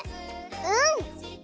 うん！